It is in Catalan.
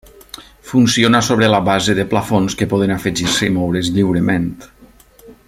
Funciona sobre la base de plafons que poden afegir-se i moure's lliurement.